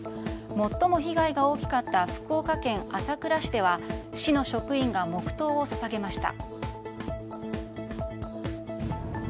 最も被害が大きかった福岡県朝倉市では市の職員が黙祷を捧げました。